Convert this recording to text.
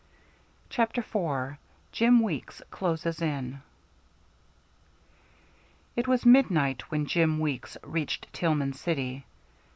CHAPTER IV JIM WEEKS CLOSES IN It was midnight when Jim Weeks reached Tillman City.